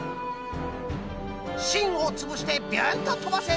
しんをつぶしてビュンととばせ！